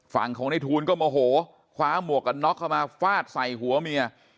ฝั่งของในทูลก็โมโหคว้าหมวกกันน็อกเข้ามาฟาดใส่หัวเมีย